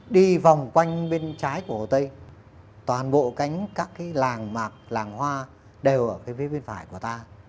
đi vòng quanh bên trái của hồ tây toàn bộ cánh các cái làng mạc làng hoa đều ở cái phía bên phải của ta